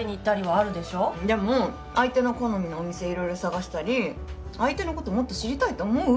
相手の好みのお店色々探したり相手のこともっと知りたいと思う？